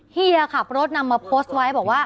เฮียขับรถนำมาโพสต์ไว้บอกว่า